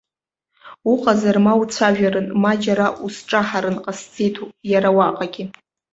Уҟазар, ма уцәажәарын, ма џьара усҿаҳарын ҟасҵеит иара уаҟагьы.